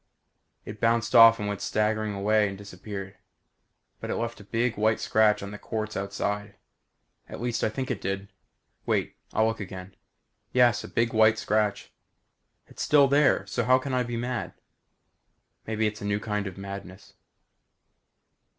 It bounced off and went staggering away and disappeared. But it left a big white scratch on the quartz outside. At least I think it did. Wait. I'll look again. Yes. A big white scratch. It's still there. So how can I be mad? Maybe it's a new kind of madness....